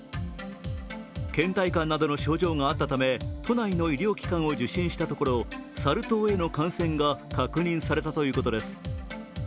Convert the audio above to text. けん怠感などの症状があったため、都内の医療機関を受診したところサル痘への感染が確認されたということです。